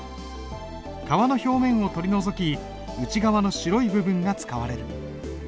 皮の表面を取り除き内側の白い部分が使われる。